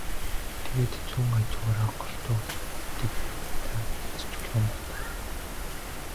Тэгээд зүүн хажуугаараа голдуу хэвтдэг юм байна даа гэж Чулуун бодов.